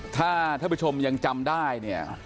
ถ้าท่านผู้ชมยังจำได้เนี่ย